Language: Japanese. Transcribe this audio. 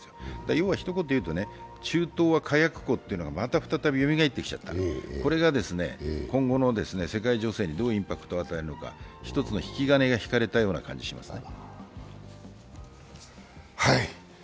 要はひと言でいうと、中東は火薬庫というのがまた再び、よみがえってきちゃった、これが今後の世界情勢にどうインパクトを与えるのか、一つの引き金が引かれたような感じがしますね